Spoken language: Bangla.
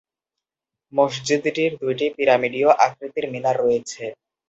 মসজিদটির দুইটি পিরামিডীয় আকৃতির মিনার রয়েছে।